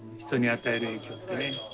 人に与える影響ってね。